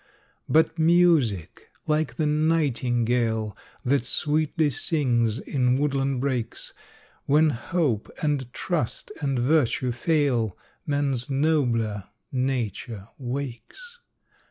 But music, like the nightingale That sweetly sings in woodland brakes, When hope and trust and virtue fail, Man's nobler nature wakes.